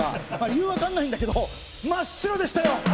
理由は分かんないんだけど真っ白でしたよ！